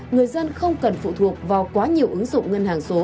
người dân không cần phụ thuộc vào quá nhiều ứng dụng ngân hàng số